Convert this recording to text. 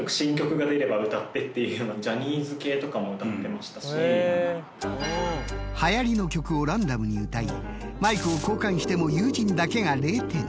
毎回はやりの曲をランダムに歌いマイクを交換しても友人だけが０点。